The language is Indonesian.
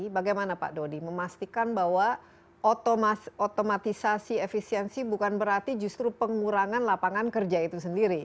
bagaimana pak dodi memastikan bahwa otomatisasi efisiensi bukan berarti justru pengurangan lapangan kerja itu sendiri